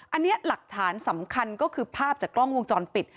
อันนี้หลักฐานสำคัญก็คือภาพจากกล้องวงจรปิด